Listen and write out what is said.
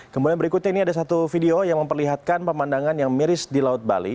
kemudian berikutnya ini ada satu video yang memperlihatkan pemandangan yang miris di laut bali